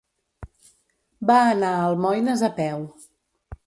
Va anar a Almoines a peu.